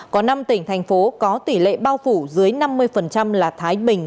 có năm tỉnh thành phố có tỷ lệ bao phủ dưới năm mươi là thái bình